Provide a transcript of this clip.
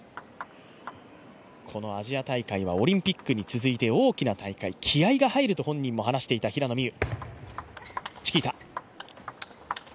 アジア大会はオリンピックに続いて大きな大会、本人も気合いが入ると話していた平野美宇。